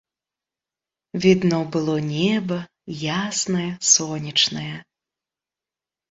Відно было неба, яснае, сонечнае.